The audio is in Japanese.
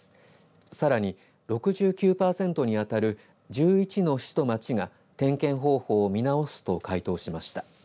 さらに６９パーセントにあたる１１の市と町が点検方法を見直すと回答しました。